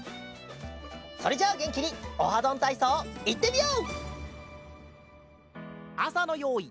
それじゃあげんきに「オハどんたいそう」いってみよう！